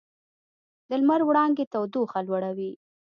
د لمر وړانګې تودوخه لوړوي.